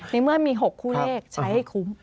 ในเมื่อมี๖คู่เลขใช้ให้คุ้ม